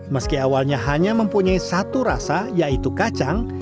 meski awalnya hanya mempunyai satu rasa yaitu kacang